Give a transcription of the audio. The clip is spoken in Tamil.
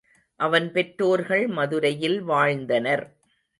அவன் பெற்றோர்கள் மதுரையில் வாழ்ந்தனர்.